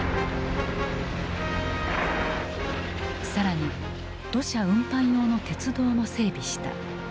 更に土砂運搬用の鉄道も整備した。